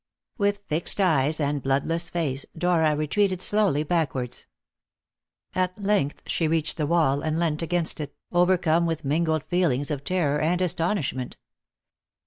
With fixed eyes and bloodless face, Dora retreated slowly backwards. At length she reached the wall, and leant against it, overcome with mingled feelings of terror and astonishment.